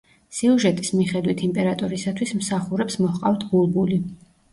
სიუჟეტის მიხედვით იმპერატორისათვის მსახურებს მოჰყავთ ბულბული.